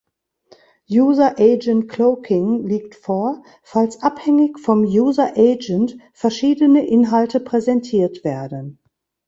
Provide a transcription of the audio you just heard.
User-Agent-Cloaking liegt vor, falls abhängig vom User-Agent verschiedene Inhalte präsentiert werden.